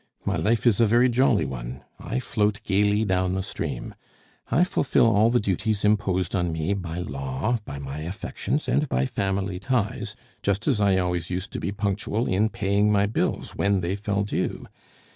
My life is a very jolly one; I float gaily down the stream. I fulfil all the duties imposed on me by law, by my affections, and by family ties, just as I always used to be punctual in paying my bills when they fell due.